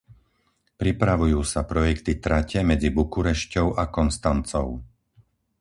Pripravujú sa projekty trate medzi Bukurešťou a Konstancou.